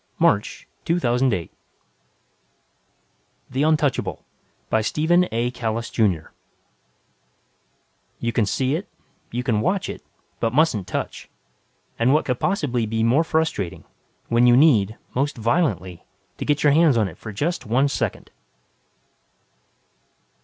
|||++ THE UNTOUCHABLE By STEPHEN A. KALLIS, JR. Illustrated by Douglas _"You can see it you can watch it but mustn't touch!" And what could possibly be more frustrating ... when you need, most violently, to get your hands on it for just one second....